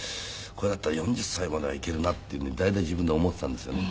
これだったら４０歳まではいけるなっていうふうに大体自分で思ってたんですよね。